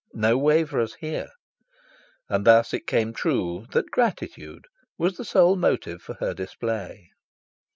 No waverers here. And thus it came true that gratitude was the sole motive for her display.